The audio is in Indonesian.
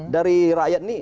dari rakyat nih